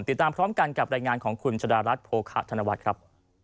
ติดตามพร้อมกันกับรายงานของคุณชะดารัฐโภคะธนวัฒน์ครับ